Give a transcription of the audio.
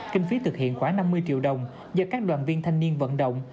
kinh phí thực hiện khoảng năm mươi triệu đồng do các đoàn viên thanh niên vận động